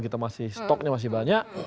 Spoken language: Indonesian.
kita masih stoknya masih banyak